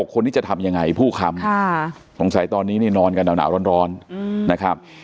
คนนี้จะทำยังไงผู้ค้ำสงสัยตอนนี้นี่นอนกันหนาวร้อนนะครับ